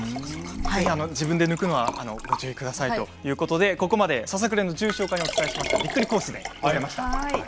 自分で抜くことはご注意ください、ここまでささくれの重症化をお伝えしましたびっくりコースでした。